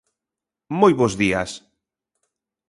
Moi bos días.